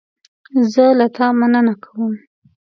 زه له تا مننه کوم.